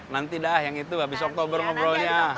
nanti dah yang itu habis oktober ngobrolnya